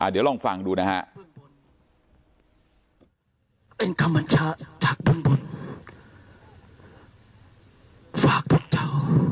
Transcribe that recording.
เดี๋ยวลองฟังดูนะฮะ